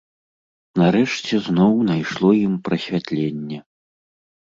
Нарэшце зноў найшло ім прасвятленне.